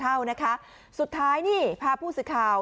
เข้านะคะสุดท้ายนี่พาผู้สื่อข่าว